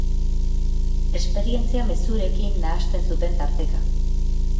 Esperientzia mezurekin nahasten zuten tarteka.